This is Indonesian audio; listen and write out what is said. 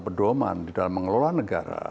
pedoman di dalam mengelola negara